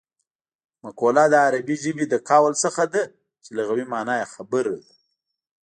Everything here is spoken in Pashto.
مقوله د عربي ژبې له قول څخه ده چې لغوي مانا یې خبره ده